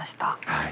はい。